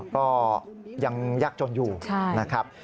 ก็ยังยากจนอยู่นะครับ